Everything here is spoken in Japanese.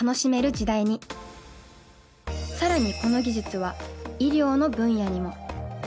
さらにこの技術は医療の分野にも。